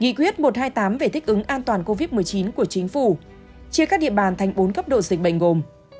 nghị quyết một trăm hai mươi tám về thích ứng an toàn covid một mươi chín của chính phủ chia cắt địa bàn thành bốn cấp độ dịch bệnh gồm